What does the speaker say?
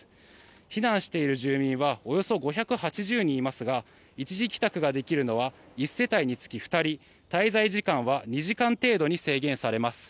避難している住民はおよそ５８０人いますが一時帰宅ができるのは１世帯につき２人滞在時間は２時間程度に制限されます。